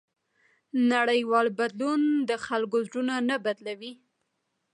نړیوال بدلون د خلکو زړونه نه بدلوي.